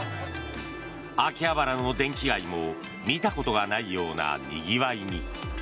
秋葉原の電気街も見たことがないようなにぎわいに。